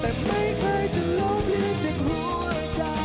แต่ไม่เคยจะล้มหรือเจ็บหัวใจ